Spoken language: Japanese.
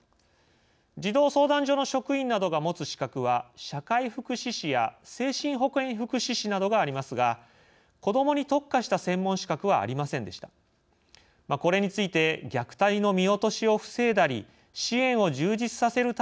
児童相談所の職員などが持つ資格は社会福祉士や精神保健福祉士などがありますが子どもに特化した専門資格はありませんでした。